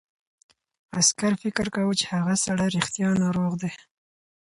عسکر فکر کاوه چې هغه سړی په رښتیا ناروغ دی.